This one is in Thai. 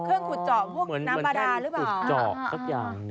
อ๋อเครื่องขุดเจาะพวกน้ำบาดาหรือเปล่าเหมือนแค่ขุดเจาะสักอย่าง